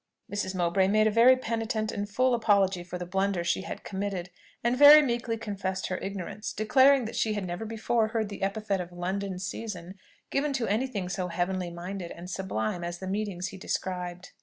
Mrs. Mowbray made a very penitent and full apology for the blunder she had committed, and very meekly confessed her ignorance, declaring that she had never before heard the epithet of "London season" given to any thing so heavenly minded and sublime as the meetings he described.